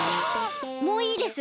もういいです！